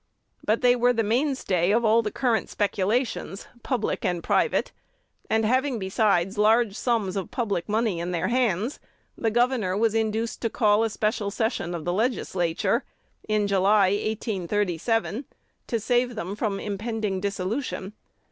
But they were the main stay of all the current speculations, public and private; and having besides large sums of public money in their hands, the governor was induced to call a special session of the Legislature in July, 1837, to save them from impending dissolution.